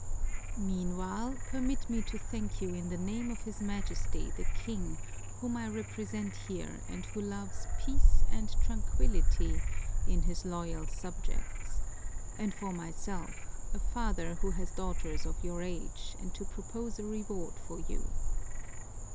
Meanwhile, permit me to thank you in the name of his Majesty, the King, whom I represent here and who loves peace and tranquillity in his loyal subjects, and for myself, a father who has daughters of your age, and to propose a reward for you."